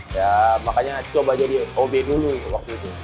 ya makanya coba jadi ob dulu waktu itu